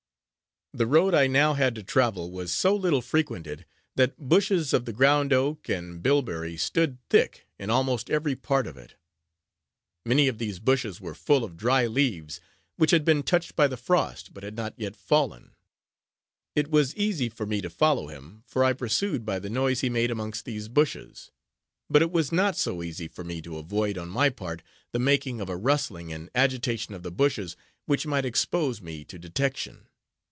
The road I now had to travel, was so little frequented, that bushes of the ground oak and bilberry stood thick in almost every part of it. Many of these bushes were full of dry leaves, which had been touched by the frost, but had not yet fallen. It was easy for me to follow him, for I pursued by the noise he made, amongst these bushes; but it was not so easy for me to avoid, on my part, the making of a rustling, and agitation of the bushes, which might expose me to detection.